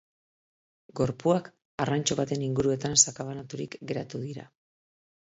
Gorpuak arrantxo baten inguruetan sakabanaturik geratu dira.